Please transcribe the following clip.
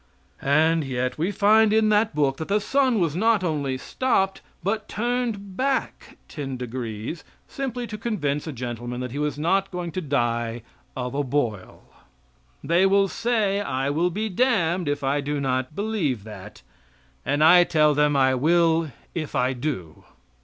And yet we find in that book that the sun was not only stopped, but turned back ten degrees, simply to convince a gentleman that he was not going to die of a boil. They will say I will be damned if I do not believe that, and I tell them I will if I do.